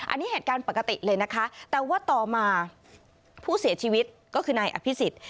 อันนี้เหตุการณ์ปกติเลยนะคะแต่ว่าต่อมาผู้เสียชีวิตก็คือนายอภิษฎ